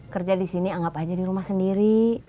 kerja disini anggap aja di rumah sendiri